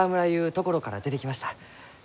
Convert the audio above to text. ところから出てきました。